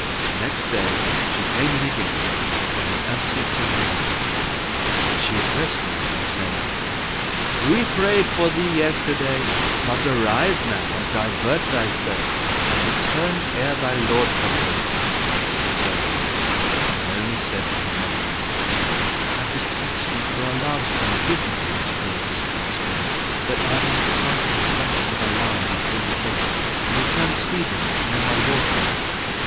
Next day she came again, in the absence of Ni'amah, and she addressed Naomi, saying, "We prayed for thee yesterday; but arise now and divert thyself and return ere thy lord come home." So Naomi said to her mother in law, "I beseech thee, for Allah's sake, give me leave to go with this pious woman, that I may sight the saints of Allah in the Holy Places, and return speedily ere my lord come back."